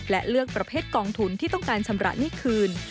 และเลือกประเภทกองทุนที่ต้องการชำระหนี้คืน